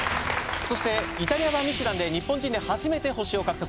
そしてイタリア版ミシュランで日本人で初めて星を獲得